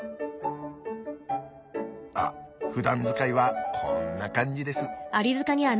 あっふだん使いはこんな感じです。